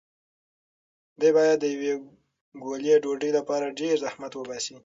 دی باید د یوې ګولې ډوډۍ لپاره ډېر زحمت وباسي.